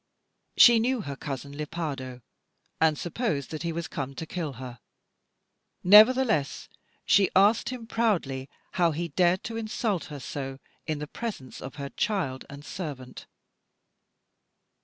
She knew her cousin Lepardo, and supposed that he was come to kill her. Nevertheless she asked him proudly how he dared to insult her so, in the presence of her child and servant.